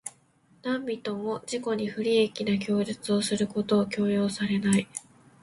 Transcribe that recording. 何人（なんびと）も自己に不利益な供述をすることを強要されない。